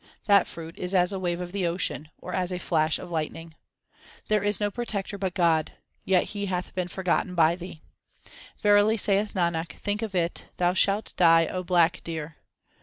That fruit is as a wave of the ocean, or as a flash of lightning. 1 There is no protector but God ; yet He hath been for gotten by thee. Verily, saith Nanak, think of it, thou shalt die, O black deer.